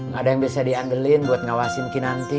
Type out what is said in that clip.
gak ada yang bisa diandelin buat ngawasin kinanti